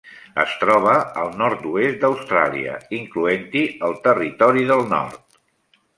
Es troba al nord-oest d'Austràlia, incloent-hi el Territori del Nord.